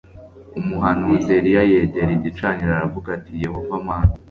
umuhanuzi eliya yegera igicaniro aravuga ati yehova mana